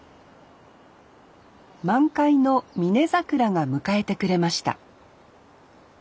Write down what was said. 満開のミネザクラが迎えてくれました